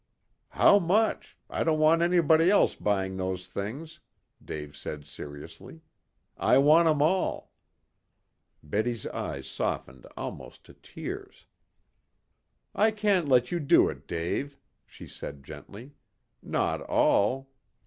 "How much? I don't want anybody else buying those things," Dave said seriously. "I want 'em all." Betty's eyes softened almost to tears. "I can't let you do it, Dave," she said gently. "Not all.